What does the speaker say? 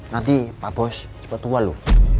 nanti pak bos cepet tua lu